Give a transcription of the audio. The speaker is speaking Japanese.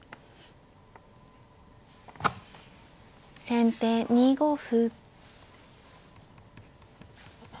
先手２五歩。